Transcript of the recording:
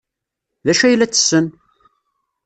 D acu ay la ttessen?